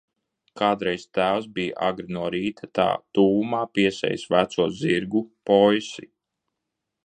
Kādreiz tēvs bija agri no rīta tā tuvumā piesējis veco zirgu Poisi.